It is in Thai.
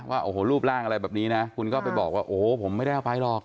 ว่าโอ้โหรูปร่างอะไรแบบนี้นะคุณก็ไปบอกว่าโอ้โหผมไม่ได้เอาไปหรอก